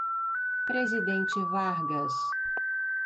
Presidente Vargas